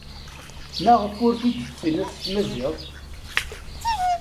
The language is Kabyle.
Maɣef ur t-id-tettiniḍ s tmaziɣt?